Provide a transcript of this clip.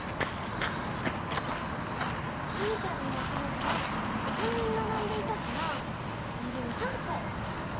マミちゃんのうしろには３人ならんでいたからまるを３こ。